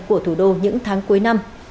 của thủ đô những tháng cuối năm